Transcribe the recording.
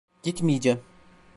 Gitmeyeceğim.